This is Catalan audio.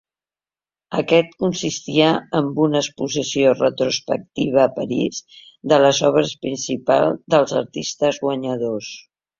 Aquest consistia en una exposició retrospectiva a París de les obres principals dels artistes guanyadors.